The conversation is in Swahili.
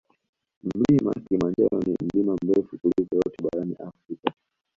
Mlima kilimanjaro ni mlima mrefu kuliko yote barani Afrika